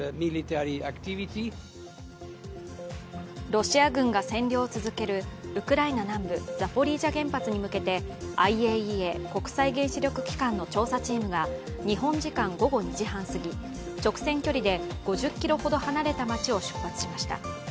ロシア軍が占領を続けるウクライナ南部ザポリージャ原発に向けてＩＡＥＡ＝国際原子力機関の調査チームが日本時間午後２時半すぎ、直線距離で５０ｋｍほど離れた街を出発しました。